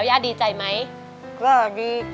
ร้องได้ให้ร้อง